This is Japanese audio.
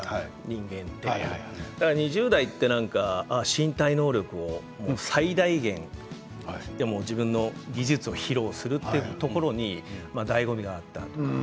人間って、だから２０代って身体能力を最大限自分の技術を披露するというところにだいご味があったと思う。